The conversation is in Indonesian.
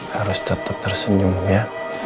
harus tetep tersenyum ya